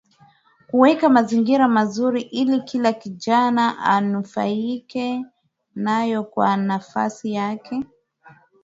Kuweka mazingira mazuri ili kila kijana anufaike nao kwa nafasi yake